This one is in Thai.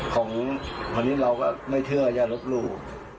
ของเหมือนแบบนี้เราก็ไม่เชื่ออย่างรบรูป